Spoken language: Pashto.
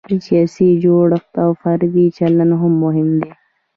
سیاسي جوړښت او فردي چلند هم مهم دی.